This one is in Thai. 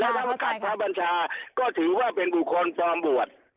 ทั้งการพระบัญชาก็ถือว่าเป็นบุคคลปลอมบวช